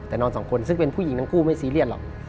แต่นอนสองคนซึ่งเป็นผู้หญิงทั้งคู่ไม่ซีเรียสหรอก